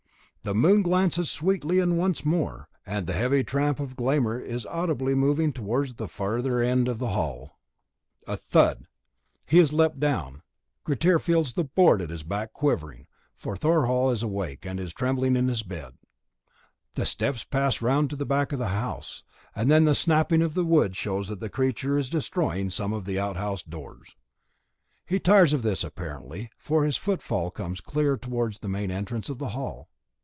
Then the moon glances sweetly in once more, and the heavy tramp of Glámr is audibly moving towards the farther end of the hall. A thud he has leaped down. Grettir feels the board at his back quivering, for Thorhall is awake and is trembling in his bed. The steps pass round to the back of the house, and then the snapping of the wood shows that the creature is destroying some of the outhouse doors. He tires of this apparently, for his footfall comes clear towards the main entrance to the hall.